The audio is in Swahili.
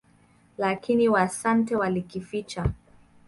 Lakini Waasante walikificha.